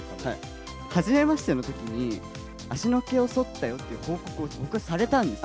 はじめましてのときに、足の毛をそったよって報告を僕はされたんですよ。